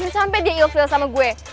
sampai dia ilfield sama gue